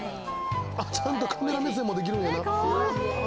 ちゃんとカメラ目線もできるんやな。